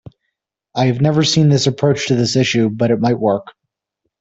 I have never seen this approach to this issue, but it might work.